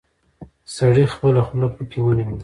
سړي خپله خوله پکې ونيوله.